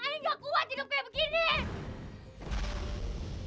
tapi semenjak kawin hidup kita tuh jadi berantakan